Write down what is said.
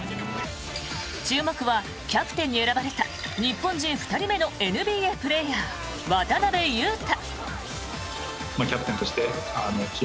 注目はキャプテンに選ばれた日本人２人目のＮＢＡプレーヤー、渡邊雄太。